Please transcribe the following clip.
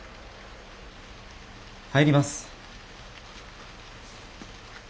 入ります。